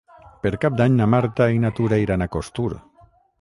Per Cap d'Any na Marta i na Tura iran a Costur.